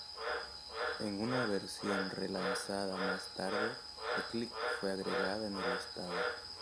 En una versión re-lanzada más tarde, "The Click" fue agregada en el listado.